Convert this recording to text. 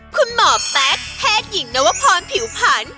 คุณหมอแป๊กแพทยิ่งนวพรผิวผัน